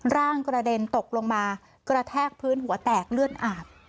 ร่างกระเด็นตกลงมากระแทกพื้นหัวแตกเลือดอาบ